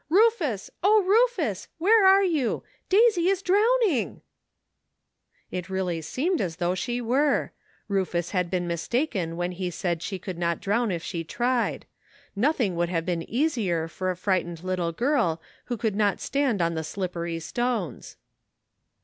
"Rufus, O, Rufus! where are you ? Daisy is drowning !" It really seemed as though she were. Rufus had been mistaken when he said she could not drown if she tried ; nothing would have been easier for a frightened little girl who could not stand on the slip])ery stones.